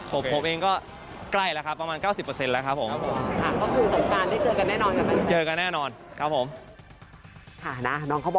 ผมเองก็ใกล้แล้วครับประมาณ๙๐แล้วครับผม